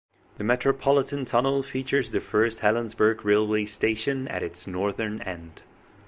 The Metropolitan Tunnel features the first Helensburgh railway station at its northern end.